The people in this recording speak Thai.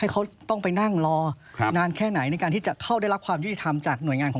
เราไม่ได้หิ้นฐานบอกว่าจะจบ